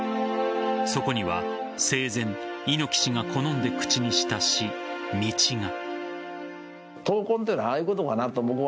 そこには生前猪木氏が好んで口にした詩「道」が。